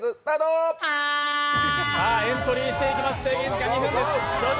エントリーしていきます、制限時間２分です。